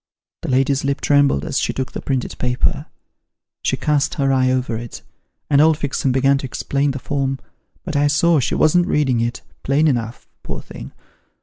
" The lady's lip trembled as she took the printed paper. She cast her eye over it, and old Fixem began to explain the form, but I saw she wasn't reading it, plain enough, poor thing.